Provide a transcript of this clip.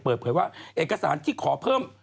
เปิดเผยว่าเอกสารที่ขอเพิ่ม